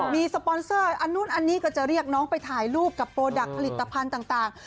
มีสปอนเซอร์อันนู้นอันนี้ก็จะเรียกน้องไปถ่ายรูปกับโปรดักต์ผลิตภัณฑ์ต่าง